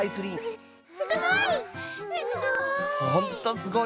すごい。